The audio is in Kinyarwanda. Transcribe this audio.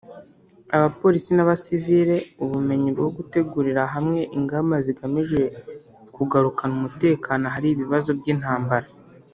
abapolisi n’abasivile ubumenyi bwo gutegurira hamwe ingamba zigamije kugarukana umutekano ahari ibibazo by’intambara